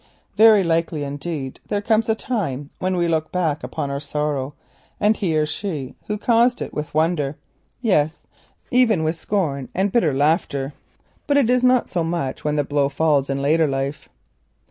Very likely, indeed, there comes a time when we look back upon our sorrow and he or she who caused it with wonder, yes even with scorn and bitter laughter. But it is not so when the blow falls in later life.